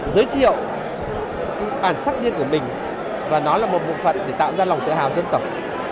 giới thiệu bản sắc riêng của mình và nó là một bộ phận để tạo ra lòng tự hào dân tộc